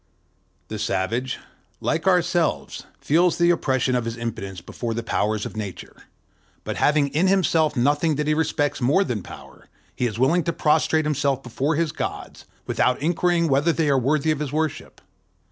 The savage, like ourselves, feels the oppression of his impotence before the powers of Nature; but having in himself nothing that he respects more than Power, he is willing to prostrate himself before his gods, without inquiring whether they are worthy of his worship.